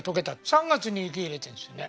３月に雪入れてるんですよね。